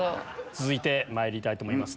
続いてまいりたいと思います。